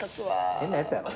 変なやつやろ。